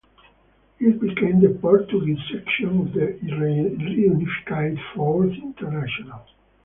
It became the Portuguese section of the reunified Fourth International.